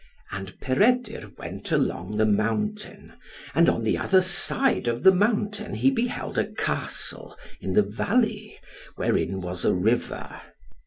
And Peredur went along the mountain, and on the other side of the mountain he beheld a castle in the valley, wherein was a river.